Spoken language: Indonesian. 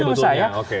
itu menurut saya